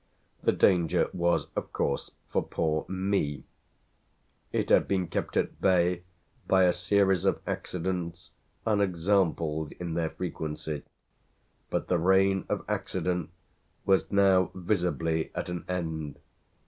The danger was of course for poor me. It had been kept at bay by a series of accidents unexampled in their frequency; but the reign of accident was now visibly at an end.